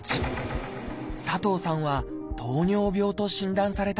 佐藤さんは「糖尿病」と診断されたのです。